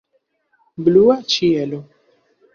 Blua ĉielo.